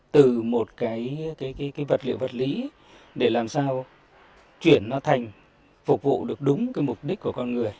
từ một cái vật liệu vật lý để làm sao chuyển nó thành phục vụ được đúng cái mục đích của con người